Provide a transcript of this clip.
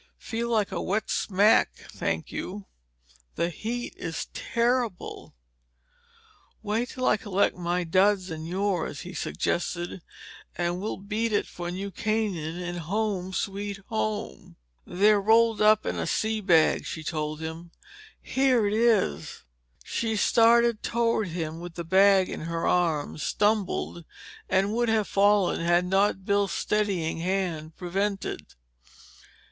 "Feel like a wet smack, thank you. The heat is terrible." "Wait till I collect my duds and yours," he suggested, "and we'll beat it for New Canaan and Home Sweet Home!" "They're rolled up in a sea bag," she told him. "Here it is." She started toward him with the bag in her arms, stumbled and would have fallen had not Bill's steadying hand prevented.